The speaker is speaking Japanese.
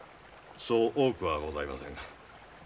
そう多くはございませんが。